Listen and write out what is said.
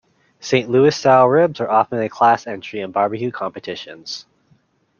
Saint Louis style ribs are often a class entry in barbecue competitions.